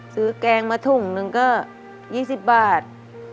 ซื้อแกงมาถุงหนึ่งก็ยี่สิบบาท